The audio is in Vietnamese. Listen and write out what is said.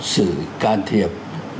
sự can thiệp